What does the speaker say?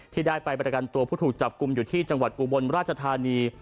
ที่ได้ไปประกันตัวผู้ถูกจับกลุ่มอยู่ที่จังหวัดอุบลราชธานี